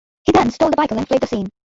He then stole the vehicle and fled the scene.